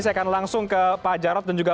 saya akan langsung ke pak jarod dan juga